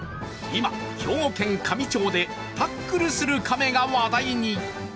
今、兵庫県香美町でタックルするカメが話題に。